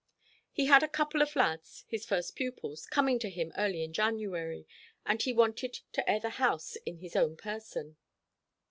He had a couple of lads his first pupils coming to him early in January, and he wanted to air the house in his own person.